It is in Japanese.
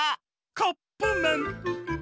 カップめん！